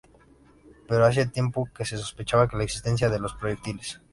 Pero hacía tiempo que se sospechaba de la existencia de los proyectiles.